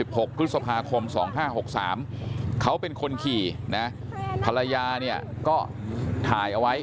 ๒๖พฤษภาคม๒๕๖๓เขาเป็นคนขี่นะภรรยาเนี่ยก็ถ่ายเอาไว้